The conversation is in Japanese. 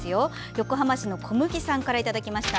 横浜市のこむぎさんからいただきました。